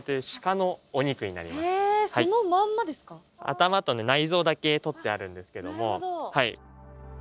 頭と内臓だけ取ってあるんですけども。